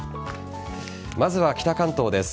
まずは北関東です。